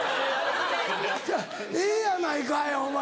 ちゃうええやないかいお前。